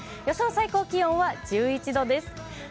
予想最高気温は１１度です。